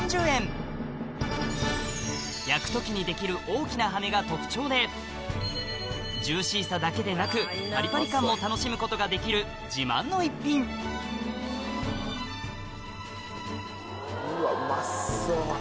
焼く時にできる大きな羽根が特徴でジューシーさだけでなくパリパリ感も楽しむことができる自慢の一品うわうまそう。